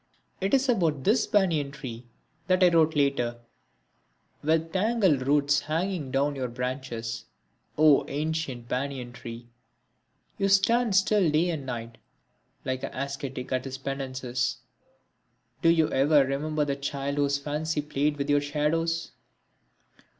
It was about this banyan tree that I wrote later: With tangled roots hanging down from your branches, O ancient banyan tree, You stand still day and night, like an ascetic at his penances, Do you ever remember the child whose fancy played with your shadows?